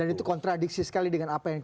dan itu kontradiksi sekali dengan apa yang